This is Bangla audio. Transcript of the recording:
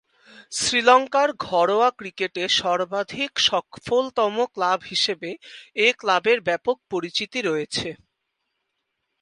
শ্রীলঙ্কার ঘরোয়া ক্রিকেটে সর্বাধিক সফলতম ক্লাব হিসেবে এ ক্লাবের ব্যাপক পরিচিতি রয়েছে।